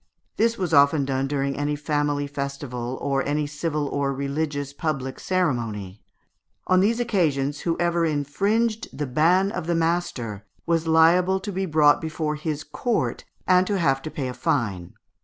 This was often done during any family festival, or any civil or religious public ceremony. On these occasions, whoever infringed the ban of the master, was liable to be brought before his court, and to have to pay a fine.